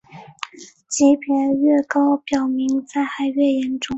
级别越高表明灾害越严重。